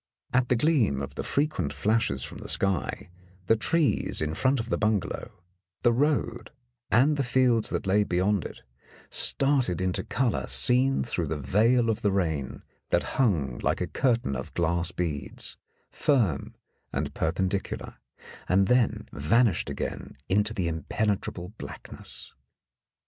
At the gleam of the frequent flashes from the sky, the trees in front of the bungalow, the road, and the fields that lay beyond it, started into colour seen through the veil of the rain, that hung like a curtain of glass beads, firm and perpendicular, and then vanished again into the impenetrable blackness.